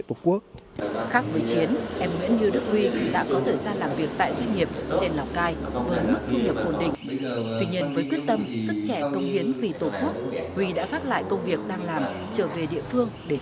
khác với chiến em nguyễn như đức huy đã có thời gian làm việc tại doanh nghiệp trên lào cai với mức thu nhập quần định